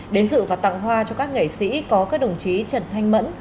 đến dự và tặng hoa cho các nghệ sĩ có các đồng chí trần thanh mẫn